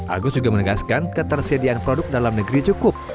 agus juga menegaskan ketersediaan produk dalam negeri cukup